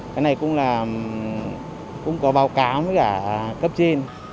cái này cũng có báo cáo với cả cấp trên